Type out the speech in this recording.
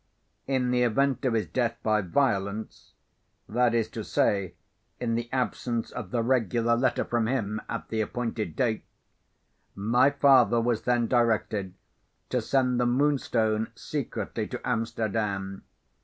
In the event of his death by violence (that is to say, in the absence of the regular letter from him at the appointed date), my father was then directed to send the Moonstone secretly to Amsterdam.